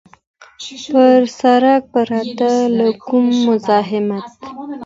پر سړک پرته له کوم مزاحمته.